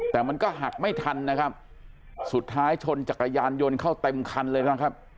แต่มันก็หักไม่ทันนะครับสุดท้ายชนจักรยานยนต์เข้าเต็มคันเลยนะครับ